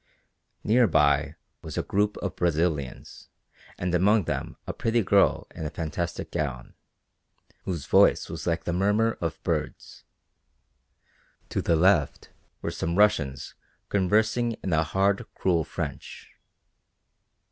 Near by was a group of Brazilians and among them a pretty girl in a fantastic gown, whose voice was like the murmur of birds. To the left were some Russians conversing in a hard, cruel French.